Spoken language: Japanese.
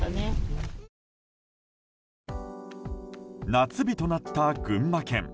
夏日となった群馬県。